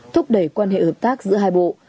thúc đẩy quan hệ hợp tác giữa hai bộ